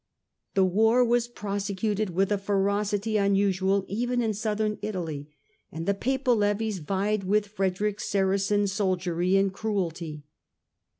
The war was prosecuted with a ferocity unusual even in Southern Italy, and the Papal levies vied with Frederick's Saracen soldiery in cruelty.